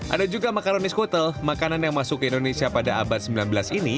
ada juga makaronis kutel makanan yang masuk ke indonesia pada abad sembilan belas ini